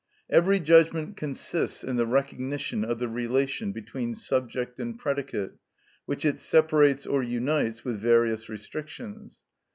Every judgment consists in the recognition of the relation between subject and predicate, which it separates or unites with various restrictions.